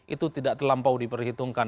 itu tidak terlampau diperhitungkan